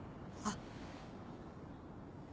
あっ。